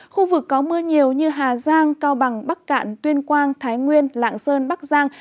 khu vực có mưa nhiều như hà giang cao bằng bắc cạn tuyên quang thái nguyên lạng sơn bắc giang